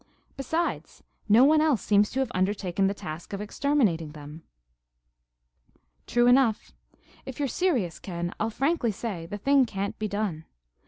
Besides, no one else seems to have undertaken the task of exterminating them." "True enough. If you're serious, Ken, I'll frankly say the thing can't be done.